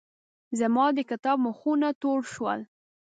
زما د کتاب مخونه تور شول.